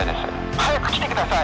☎早く来て下さい。